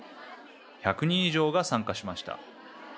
１００人以上が参加しました。